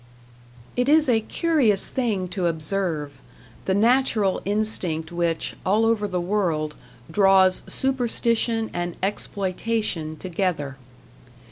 It is a curious thing to observe the natural instinct which, all over the world, draws Superstition and Exploitation together.